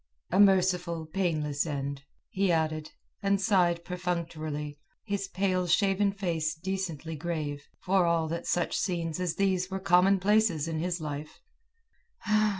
"A merciful, painless end," he added, and sighed perfunctorily, his pale shaven face decently grave, for all that such scenes as these were commonplaces in his life.